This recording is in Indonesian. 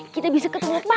kita bisa ketemu papa